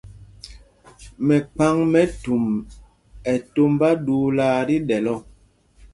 Mɛkphaŋmɛtum ɛ tombá ɗuulaa tí ɗɛ́l ɔ.